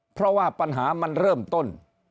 เพราะว่าปัญหามันเริ่มต้น